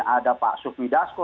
ada pak soefi dasko